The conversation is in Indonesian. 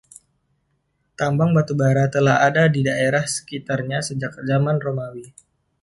Tambang batubara telah ada di daerah sekitarnya sejak zaman Romawi.